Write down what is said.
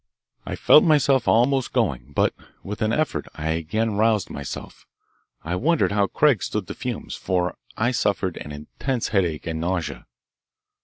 I felt myself almost going, but with an effort I again roused myself. I wondered how Craig stood the fumes, for I suffered an intense headache and nausea.